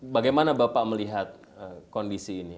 bagaimana bapak melihat kondisi ini